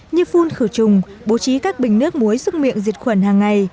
như phun khử trùng bố trí các bình nước muối sức miệng diệt khuẩn hàng ngày